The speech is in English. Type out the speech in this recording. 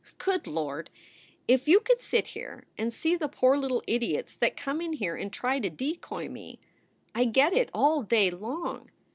Good Lord! If you could sit here and see the poor little idiots that come in here and try to decoy me. I get it all day long.